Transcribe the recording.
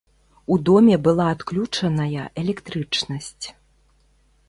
У доме была адключаная электрычнасць.